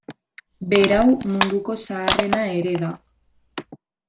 Berau munduko zaharrena ere da.